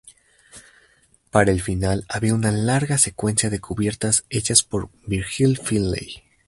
Para el final había una larga secuencia de cubiertas hechas por Virgil Finlay.